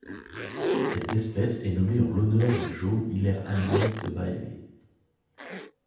Cette espèce est nommée en l'honneur de Jo Hilaire Agnes De Waele.